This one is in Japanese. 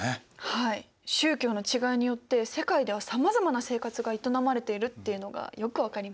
はい宗教の違いによって世界ではさまざまな生活が営まれているっていうのがよく分かりました。